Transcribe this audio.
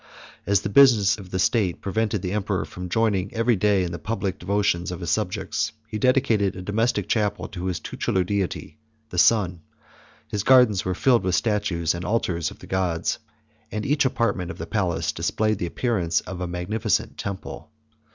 As the business of the state prevented the emperor from joining every day in the public devotion of his subjects, he dedicated a domestic chapel to his tutelar deity the Sun; his gardens were filled with statues and altars of the gods; and each apartment of the palace displaced the appearance of a magnificent temple.